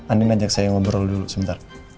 andin ajak saya ngobrol dulu sebentar